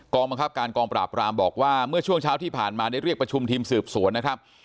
บังคับการกองปราบรามบอกว่าเมื่อช่วงเช้าที่ผ่านมาได้เรียกประชุมทีมสืบสวนนะครับ